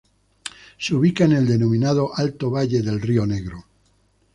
Se ubica en el denominado Alto Valle del Río Negro.